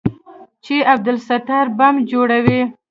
چې عبدالستار بم جوړوي.